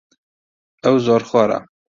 ئەو زۆرخۆرە.